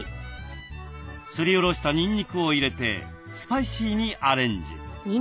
すりおろしたにんにくを入れてスパイシーにアレンジ。